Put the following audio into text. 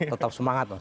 tetap semangat mas